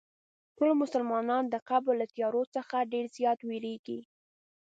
ټول مسلمانان د قبر له تیارو څخه ډېر زیات وېرېږي.